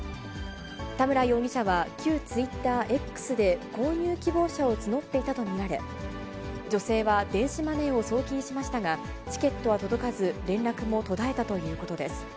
田村容疑者は旧ツイッター、Ｘで、購入希望者を募っていたと見られ、女性は電子マネーを送金しましたが、チケットは届かず、連絡も途絶えたということです。